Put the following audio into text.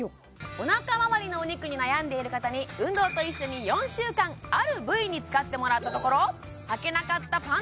おなかまわりのお肉に悩んでいる方に運動と一緒に４週間ある部位に使ってもらったところああ